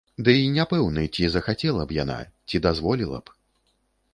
Дый не пэўны, ці захацела б яна, ці дазволіла б?